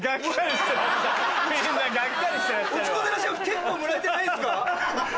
結構もらえてないんすか？